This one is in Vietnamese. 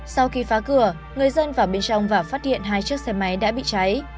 sau khi phá cửa người dân vào bên trong và phát hiện hai chiếc xe máy đã bị cháy